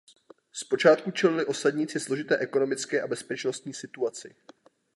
Zpočátku čelili osadníci složité ekonomické a bezpečnostní situaci.